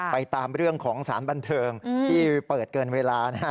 ตามเรื่องของสารบันเทิงที่เปิดเกินเวลานะฮะ